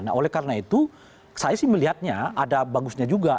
nah oleh karena itu saya sih melihatnya ada bagusnya juga